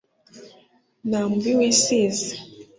Nta mubi wisize.